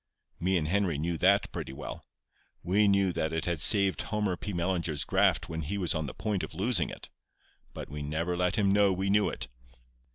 "Me and Henry knew that pretty well. We knew that it had saved Homer P. Mellinger's graft when he was on the point of losing it; but we never let him know we knew it.